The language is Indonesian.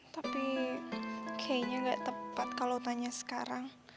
tapi kayaknya nggak tepat kalau tanya sekarang